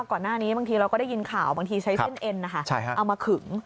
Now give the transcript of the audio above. ก่อนหน้านี้บางทีเราก็ได้ยินข่าวบางทีใช้เส้นเอ็นเอามาขึง